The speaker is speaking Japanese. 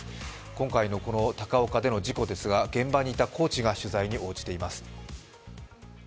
今回の高岡での事故ですが現場にいたコーチが取材に応じています。